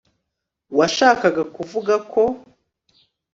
washakaga kuvuga ko